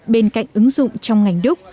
bên cạnh ứng dụng trong ngành đúc